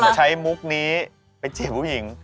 ใช้มุกนี้ไปจีบผู้หญิง